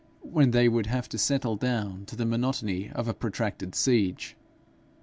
when they would have to settle down to the monotony of a protracted siege.